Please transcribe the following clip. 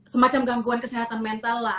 semacam gangguan kesehatan mental lah